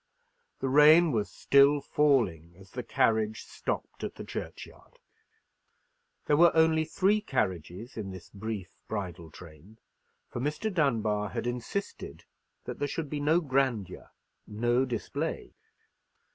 The rain was still falling as the carriage stopped at the churchyard. There were only three carriages in this brief bridal train, for Mr. Dunbar had insisted that there should be no grandeur, no display.